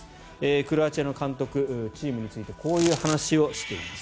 クロアチアの監督チームについてこういう話をしています。